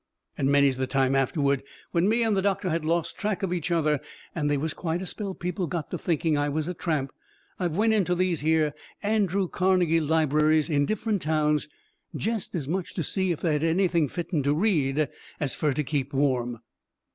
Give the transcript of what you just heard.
And many's the time afterward, when me and the doctor had lost track of each other, and they was quite a spell people got to thinking I was a tramp, I've went into these here Andrew Carnegie libraries in different towns jest as much to see if they had anything fitten to read as fur to keep warm.